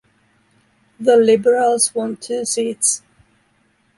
The Liberals won two seats.